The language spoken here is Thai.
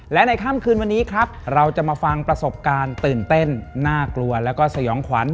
และในค่ำคืนวันนี้ครับเราจะมาฟังประสบการณ์ตื่นเต้นน่ากลัวแล้วก็สยองขวัญ